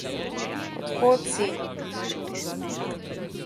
Od kod si?